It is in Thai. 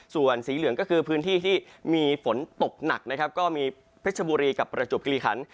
ส่วนสีเหลืองก็คือพื้นที่ที่มีฝนตกหนักนะครับก็มีเพชรบุรีกับประจวบกิริคัน